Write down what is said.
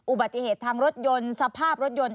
อุบัติเหตุทางรถยนต์สภาพรถยนต์